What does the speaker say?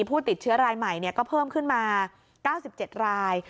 ผู้ติดเชื้อรายใหม่ก็เพิ่มขึ้นมา๙๗ราย